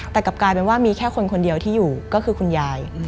แต่กลับกลายเป็นว่ามีแค่คนคนเดียวที่อยู่ก็คือคุณยาย